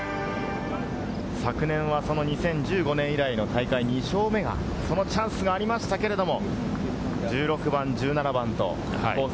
昨年は２０１５年以来の大会２勝目がこのチャンスがありましたけれども、１６番、１７番のコース